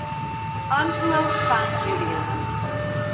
Onkelos found Judaism.